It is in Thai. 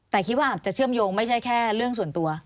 แต่คิดว่าอาจจะเชื่อมโยงไม่ใช่แค่เรื่องส่วนตัว